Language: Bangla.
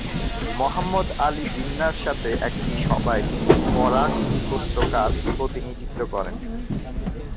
মহম্মদ আলী জিন্নাহর সাথে একটি সভায় তিনি বরাক উপত্যকার প্রতিনিধিত্ব করেন।